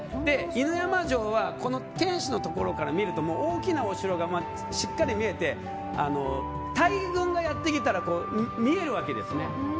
犬山城は天守から見ると大きなお城がしっかり見えて大軍がやってきたら見えるわけですね。